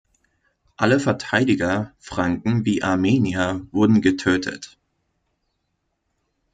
Alle Verteidiger, Franken wie Armenier, wurden getötet.